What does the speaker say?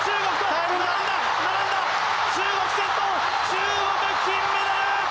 中国金メダル！